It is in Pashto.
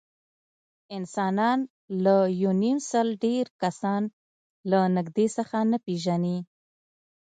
انسانان له یونیمسل ډېر کسان له نږدې څخه نه پېژني.